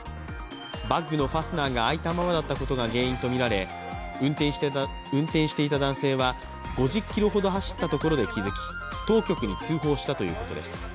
バッグのファスナーが開いたままだったことが原因とみられ運転していた男性は５０ｋｍほど走ったところで気づき当局に通報したということです。